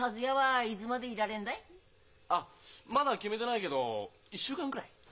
あっまだ決めてないけど１週間くらい。